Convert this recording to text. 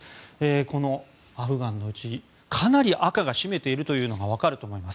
このアフガンのうちかなり赤が占めているのが分かると思います。